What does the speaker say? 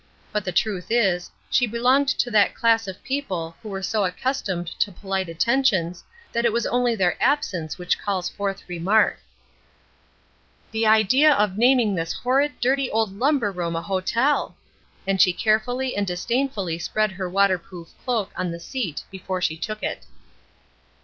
But the truth is, she belonged to that class of people who are so accustomed to polite attentions that it is only their absence which calls forth remark. "The idea of naming this horrid, dirty old lumber room a hotel!" and she carefully and disdainfully spread her waterproof cloak on the seat before she took it.